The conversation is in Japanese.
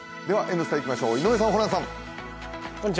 「Ｎスタ」いきましょう井上さん、ホランさん。